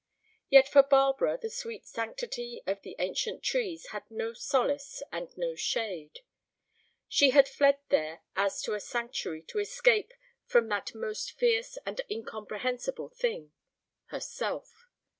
Yet for Barbara the sweet sanctity of the ancient trees had no solace and no shade. She had fled there as to a sanctuary to escape from that most fierce and incomprehensible thing—herself.